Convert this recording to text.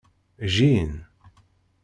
Jjin.